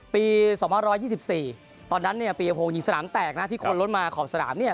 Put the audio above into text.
ปี๒๒๔ตอนนั้นเนี่ยปียพงศ์ยิงสนามแตกนะที่คนล้นมาขอบสนามเนี่ย